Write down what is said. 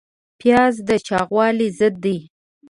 پیاز د چاغوالي ضد دی